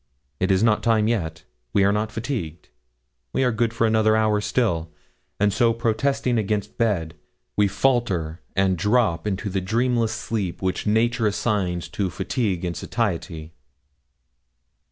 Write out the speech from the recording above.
It is not time yet; we are not fatigued; we are good for another hour still, and so protesting against bed, we falter and drop into the dreamless sleep which nature assigns to fatigue and satiety.